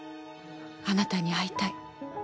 あなたに会いたい。